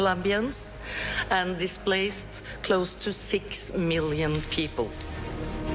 พวกมันส่งแล้วอีก๖เป็นคน